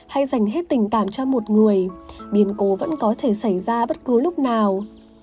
hay dành hết tình cảm cho một người biến cố vẫn có thể xảy ra bất cứ lúc nào